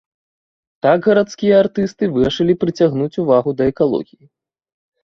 Так гарадскія артысты вырашылі прыцягнуць увагу да экалогіі.